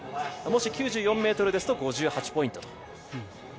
もし９４ｍですと５８ポイントと。